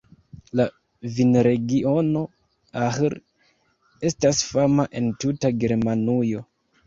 La vinregiono Ahr estas fama en tuta Germanujo.